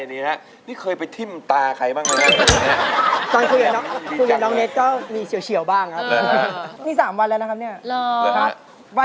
เชิญขึ้นมาร้องได้ให้ร้านกับพวกเราเลยค่ะ